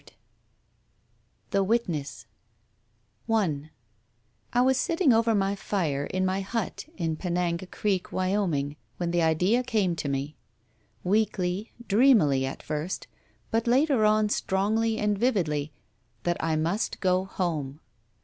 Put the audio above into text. lC THE WITNESS I was sitting over my fire in my hut in Penanga Creek, Wyoming, when the idea came to me — weakly, dreamily, at first, but later on strongly and vividly, that I must go home.